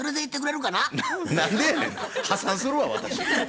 破産するわ私。